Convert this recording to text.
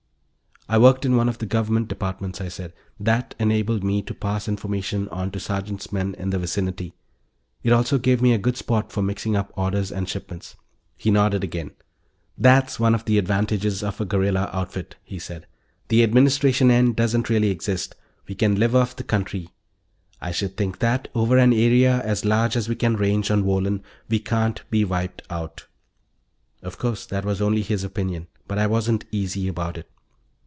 "I worked in one of the Government departments," I said. "That enabled me to pass information on to Sergeant's men in the vicinity. It also gave me a good spot for mixing up orders and shipments." He nodded again. "That's one of the advantages of a guerrilla outfit," he said. "The administration end really doesn't exist; we can live off the country. I should think that, over an area as large as we can range on Wohlen, we can't be wiped out." Of course, that was only his opinion; but I wasn't easy about it.